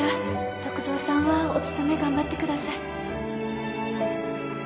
篤蔵さんはお勤め頑張ってください